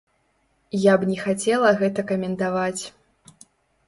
Я б не хацела гэта каментаваць.